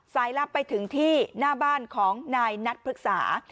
ลับไปถึงที่หน้าบ้านของนายนัทพฤกษา